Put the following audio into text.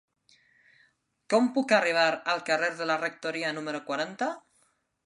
Com puc arribar al carrer de la Rectoria número quaranta?